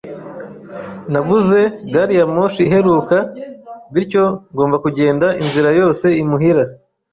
Nabuze gari ya moshi iheruka, bityo ngomba kugenda inzira yose imuhira.